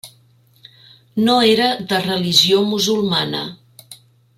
No era de religió musulmana.